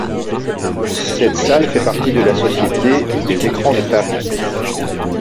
Cette salle fait partie de la société Les Écrans de Paris.